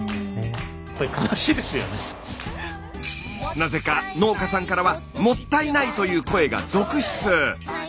なぜか農家さんからは「もったいない」という声が続出。